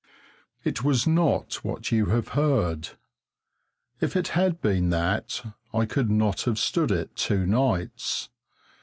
It was not what you have heard. If it had been that I could not have stood it two nights.